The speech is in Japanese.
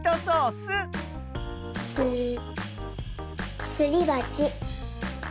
スすりばち。